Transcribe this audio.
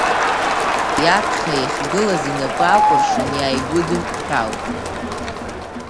Иаԥхьа иахьгылаз инапы акәыршан иааигәыдиҳәҳәалт.